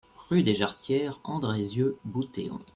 Rue des Jarretières, Andrézieux-Bouthéon